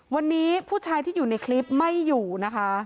วันนี้ผู้ชายที่อยู่ในคลิปไม่อยู่นะคะ